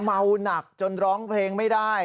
เมาหนักจนร้องเพลงไม่ได้